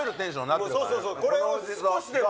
そうそうそうこれを少しでも。